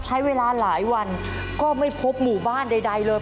ใช้เวลาหลายวันก็ไม่พบหมู่บ้านใดเลย